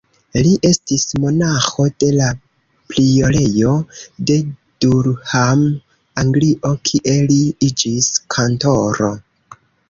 Li estis monaĥo de la priorejo de Durham, Anglio, kie li iĝis kantoro.